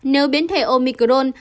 nếu biến thể omicron